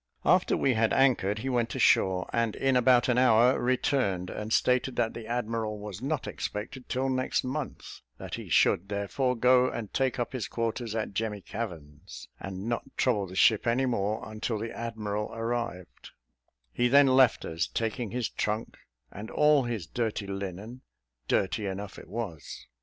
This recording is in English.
After we had anchored, he went ashore, and in about an hour returned, and stated that the admiral was not expected till next month; that he should, therefore, go and take up his quarters at Jemmy Cavan's, and not trouble the ship any more until the admiral arrived; he then left us, taking his trunk and all his dirty linen, dirty enough it was.